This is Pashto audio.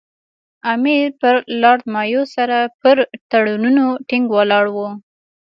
امیر پر لارډ مایو سره پر تړونونو ټینګ ولاړ وو.